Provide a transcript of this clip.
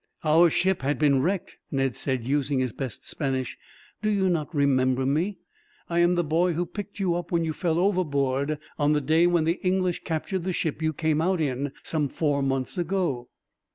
"Our ship has been wrecked," Ned said, using his best Spanish. "Do you not remember me? I am the boy who picked you up when you fell overboard, on the day when the English captured the ship you came out in, some four months ago."